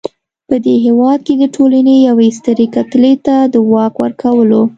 په دې هېواد کې د ټولنې یوې سترې کتلې ته د واک ورکولو.